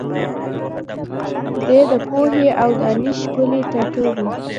دی د پوهي او دانش ښکلی ټاټوبی